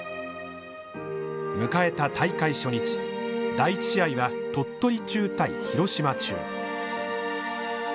迎えた大会初日第１試合は、鳥取中対広島中。